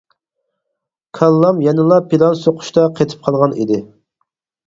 كاللام يەنىلا پىلان سوقۇشتا قېتىپ قالغان ئىدى.